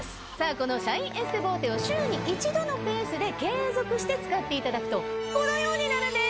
このシャインエステボーテを週に１度のペースで継続して使っていただくとこのようになるんです。